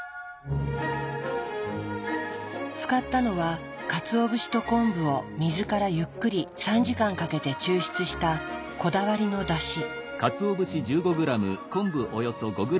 使ったのはかつお節と昆布を水からゆっくり３時間かけて抽出したこだわりのだし。